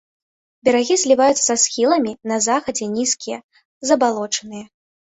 Берагі зліваюцца са схіламі, на захадзе нізкія, забалочаныя.